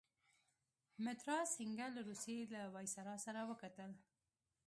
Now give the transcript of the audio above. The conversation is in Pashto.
مترا سینګه له روسيې له ویسرا سره وکتل.